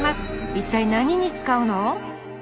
一体何に使うの？